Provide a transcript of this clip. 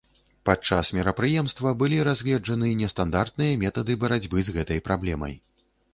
Падчас мерапрыемства былі разгледжаны нестандартныя метады барацьбы з гэтай праблемай.